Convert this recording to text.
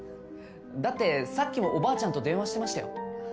だってさっきもおばあちゃんと電話してましたよ。